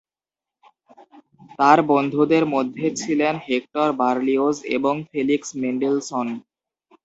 তার বন্ধুদের মধ্যে ছিলেন হেক্টর বার্লিওজ এবং ফেলিক্স মেন্ডেলসন।